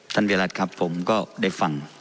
ท่านเบียรัฐครับผมก็ได้ฟัง